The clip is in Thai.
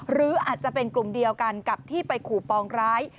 หรืออาจจะเป็นกลุ่มเดียวกันกับที่ไปขู่ปองร้าย